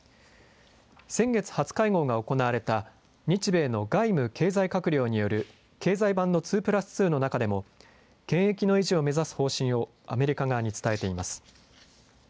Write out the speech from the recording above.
先月初会合が行われた日米の外務、経済閣僚による経済版の２プラス２の中でも、権益の維持を目指す方針をアメリカ側に伝えています。